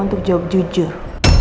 untuk jawab jujur